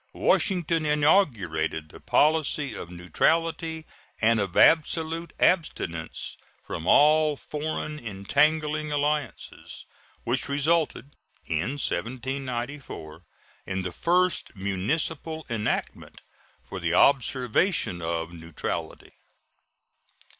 Washington inaugurated the policy of neutrality and of absolute abstinence from all foreign entangling alliances, which resulted, in 1794, in the first municipal enactment for the observance of neutrality.